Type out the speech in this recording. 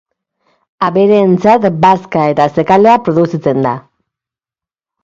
Abereentzat bazka eta zekalea produzitzen da.